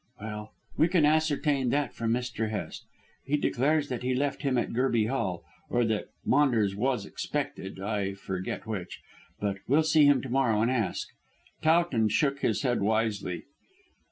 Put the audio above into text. "Well, we can ascertain that from Mr. Hest. He declares that he left him at Gerby Hall, or that Maunders was expected, I forget which. But we'll see him to morrow and ask." Towton shook his head wisely.